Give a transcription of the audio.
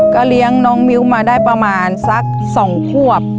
เลี้ยงน้องมิ้วมาได้ประมาณสัก๒ขวบ